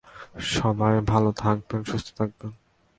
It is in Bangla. সবাই ভালো থাকবেন, সুস্থ থাকবেন।